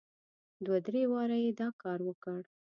دوه درې واره یې دا کار وکړ.